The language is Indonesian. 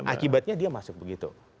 akibatnya dia masuk begitu